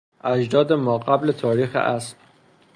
اجداد ماقبل تاریخ اسب